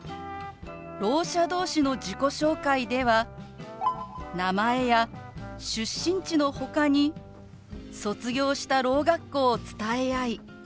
ろう者同士の自己紹介では名前や出身地のほかに卒業したろう学校を伝え合い